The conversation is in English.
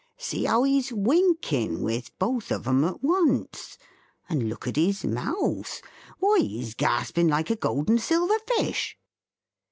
See how he's winking with both of 'em at once! and look at his mouth! why he's gasping like a gold and silver fish!"